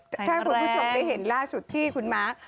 ถ้าคุณผู้ชมได้เห็นล่าสุดที่คุณม้า